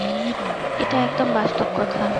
এটা একদম বাস্তব কথা।